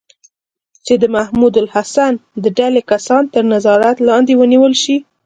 چې د محمود الحسن د ډلې کسان تر نظارت لاندې ونیول شي.